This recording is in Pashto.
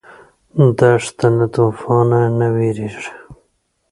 دښته له توفانه نه وېرېږي.